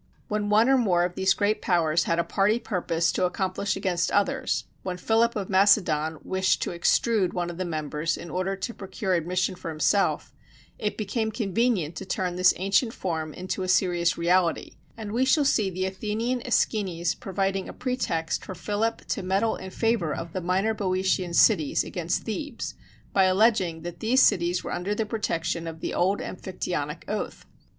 When one or more of these great powers had a party purpose to accomplish against others when Philip of Macedon wished to extrude one of the members in order to procure admission for himself it became convenient to turn this ancient form into a serious reality; and we shall see the Athenian Æschines providing a pretext for Philip to meddle in favor of the minor Boeotian cities against Thebes, by alleging that these cities were under the protection of the old Amphictyonic oath.